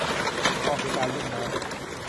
เหมาะแก่การเล่นน้ำ